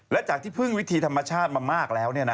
และจากที่พึ่งวิธีธรรมชาติมามากแล้ว